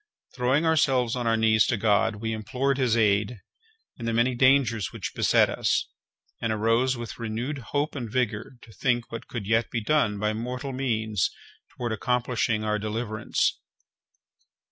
Throwing ourselves on our knees to God, we implored His aid in the many dangers which beset us; and arose with renewed hope and vigor to think what could yet be done by mortal means toward accomplishing our deliverance.